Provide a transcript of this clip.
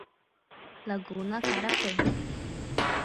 Laguna Carapã